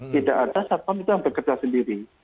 tidak ada satpam itu yang bekerja sendiri